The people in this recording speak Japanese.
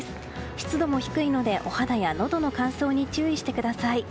湿度も低いのでお肌やのどの乾燥に注意してください。